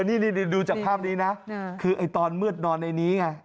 นี่ดูจากภาพนี้นะคือไอ้ตอนมืดนอนในนี้ไง